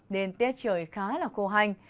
đến tiết trời khá là khô hành